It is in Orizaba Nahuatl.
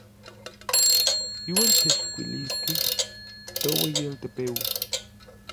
Iuan techkuiliskej toueyialtepeu.